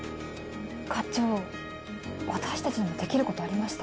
課長私たちにもできることありました。